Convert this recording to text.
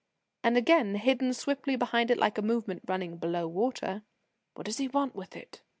And, again, hidden swiftly behind it like a movement running below water "What does he want with it?